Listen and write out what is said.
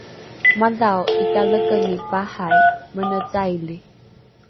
madhao ’italekelini pahai mene caili